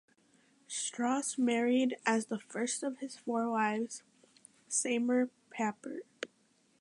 Strauss married (as the first of his four wives) Seymour Papert.